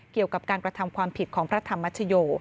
เกี่ยวกับการกระทำความผิดของพระธรรมชโย